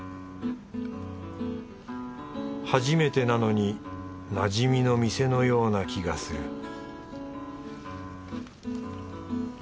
初めてなのになじみの店のような気がする